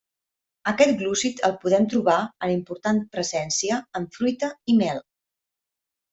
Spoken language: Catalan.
Aquest glúcid el podem trobar en important presència en fruita i mel.